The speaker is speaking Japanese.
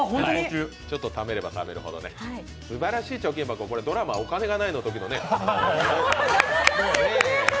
ちょっと貯めれば貯めるほどね、すばらしきい貯金箱、ドラマ「お金がない」のときのね。